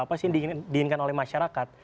apa sih yang diinginkan oleh masyarakat